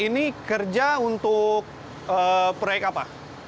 ini kerja untuk proyek apa